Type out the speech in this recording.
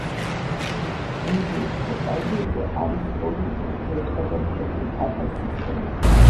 კუნძულ ჰოკაიდოზე არის ორი ურთიერთგადამკვეთი მთათა სისტემა.